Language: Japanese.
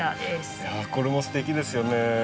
いやこれもすてきですよね。